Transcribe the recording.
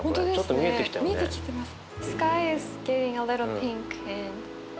見えてきてます。